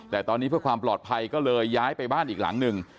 แต่ตอนนี้เพื่อความปลอดภัยก็เลยย้ายไปบ้านอีกหลังหนึ่ง